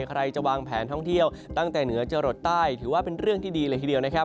ใครจะวางแผนท่องเที่ยวตั้งแต่เหนือจะหลดใต้ถือว่าเป็นเรื่องที่ดีเลยทีเดียวนะครับ